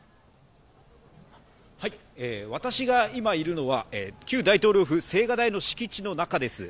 私が今いるのは、旧大統領府・青瓦台の敷地の中です。